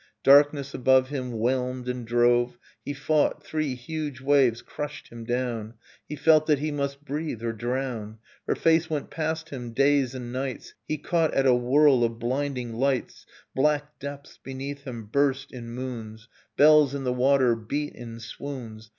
Darkness above him whelmed and drove. He fought, three hugh waves crushed him down He felt that he must breathe or drown; Her face went past him, days and nights; He caught at a whirl of blinding lights; Black depths beneath him burst in moons, Bells in the water beat in swoons.